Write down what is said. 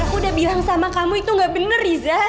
aku udah bilang sama kamu itu gak bener riza